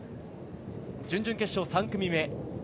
準々決勝３組目。